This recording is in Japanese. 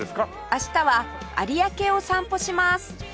明日は有明を散歩します